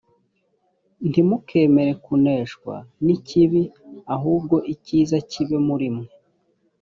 ntimukemere kuneshwa n’ikibi ahubwo ikiza kibe muri mwe